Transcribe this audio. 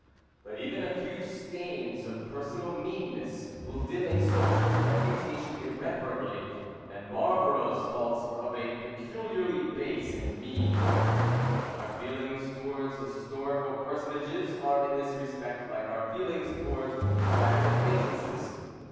But even a few stains of personal meanness will dim a soldier's reputation irreparably; and Marlborough's faults were of a peculiarly base and mean order. Our feelings towards historical personages are in this respect like our feelings towards private acquaintances.